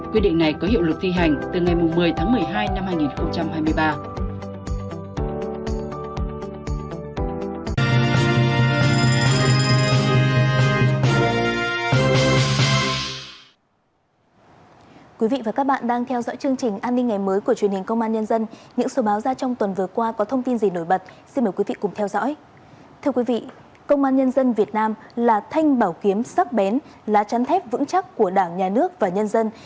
quyết định này có hiệu lực thi hành từ ngày một mươi tháng một mươi hai năm hai nghìn hai mươi ba